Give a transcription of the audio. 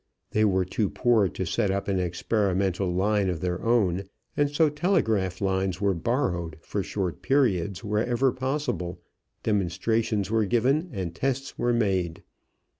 They were too poor to set up an experimental line of their own, and so telegraph lines were borrowed for short periods wherever possible, demonstrations were given and tests made.